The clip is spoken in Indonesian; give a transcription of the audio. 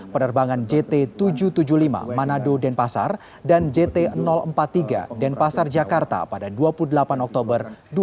penerbangan jt tujuh ratus tujuh puluh lima manado denpasar dan jt empat puluh tiga denpasar jakarta pada dua puluh delapan oktober dua ribu dua puluh